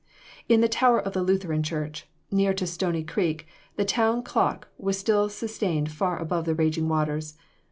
In the tower of the Lutheran church, near to Stony Creek, the town clock was still sustained far above the raging waters.